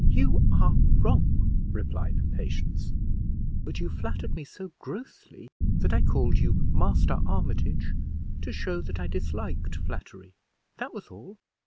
"You are wrong!" replied Patience; "but you flattered me so grossly, that I called you Master Armitage to show that I disliked flattery, that was all.